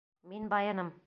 — Мин байыным!